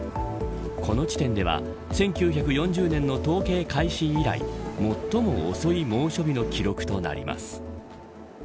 この地点では１９４０年の統計開始以来最も遅い猛暑日の記録となります。